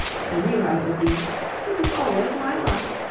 I knew how it would be. This is always my luck.